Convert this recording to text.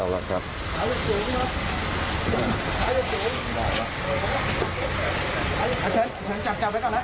ไหนกันฉันจับไปก่อนนะ